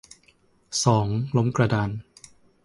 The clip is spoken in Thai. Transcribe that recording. สอง ล้มกระดาน